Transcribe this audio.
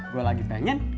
gue lagi pengen